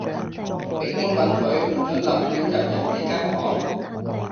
未經允許，唔准立亂入人哋間房